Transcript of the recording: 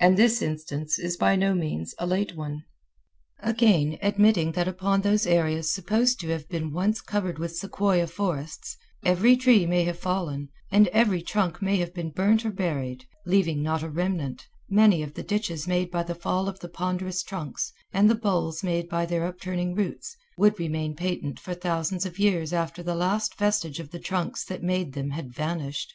And this instance is by no means a late one. Again, admitting that upon those areas supposed to have been once covered with sequoia forests, every tree may have fallen, and every trunk may have been burned or buried, leaving not a remnant, many of the ditches made by the fall of the ponderous trunks, and the bowls made by their upturning roots, would remain patent for thousands of years after the last vestige of the trunks that made them had vanished.